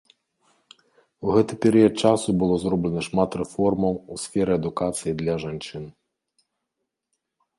У гэты перыяд часу было зроблена шмат рэформаў у сферы адукацыі для жанчын.